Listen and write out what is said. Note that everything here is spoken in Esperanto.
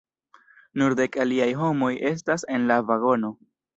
Nur dek aliaj homoj estas en la vagono.